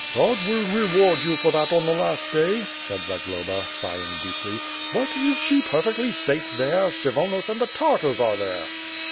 "God will reward you for that at the last day,'^ said Zag loba, sighing deeply. "But, is she perfectly safe there, Kshy vonos and the Tartars are there."